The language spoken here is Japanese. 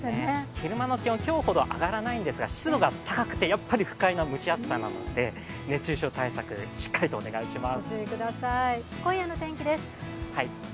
昼間の気温、今日ほど上がらないんですが、湿度が高くて、やっぱり不快な蒸し暑さなので熱中症対策、しっかりとお願いします。